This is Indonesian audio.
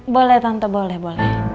boleh tante boleh boleh